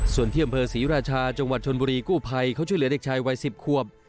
ส่วนที่อำเภอศรีราชาจังหวัดชนบุรีกู้ภัยเขาช่วยเหลือเด็กชายวัย๑๐ควบ